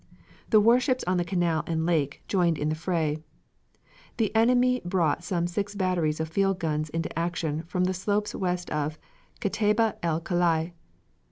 The warships on the Canal and lake joined in the fray. The enemy brought some six batteries of field guns into action from the slopes west of Kataiba el kaeli.